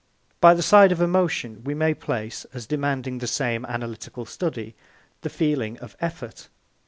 By the side of emotion we may place, as demanding the same analytical study, the feeling of effort.